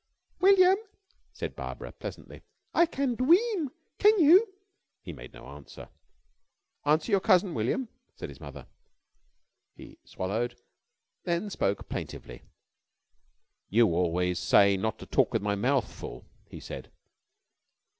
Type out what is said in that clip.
"William," said Barbara pleasantly, "I can dweam. Can you?" He made no answer. "Answer your cousin, William," said his mother. He swallowed, then spoke plaintively, "You always say not to talk with my mouth full," he said.